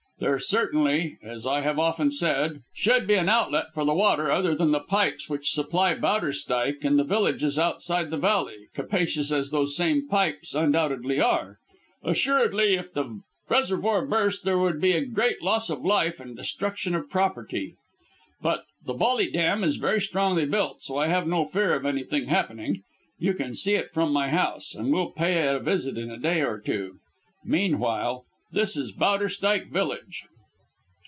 There certainly as I have often said should be an outlet for the water other than the pipes which supply Bowderstyke and the villages outside the valley, capacious as those same pipes undoubtedly are. Assuredly, if the reservoir burst there would be great loss of life and destruction of property. But the Bolly Dam is very strongly built, so I have no fear of anything happening. You can see it from my house, and we'll pay it a visit in a day or two. Meantime, this is Bowderstyke village."